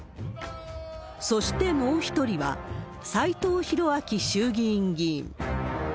そしてもう一人は、斎藤洋明衆議院議員。